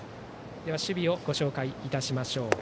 守備をご紹介しましょう。